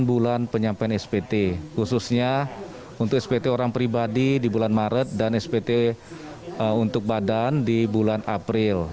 enam bulan penyampaian spt khususnya untuk spt orang pribadi di bulan maret dan spt untuk badan di bulan april